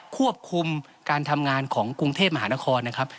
ควบคุมการทำงานของกรุงเทพมหานครนะครับ